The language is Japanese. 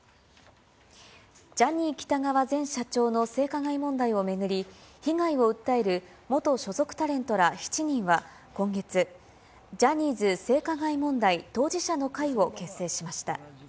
ジャニー喜多川前社長の性加害問題を巡り、被害を訴える元所属タレントら７人は今月、ジャニーズ性加害問題当事者の会を結成しました。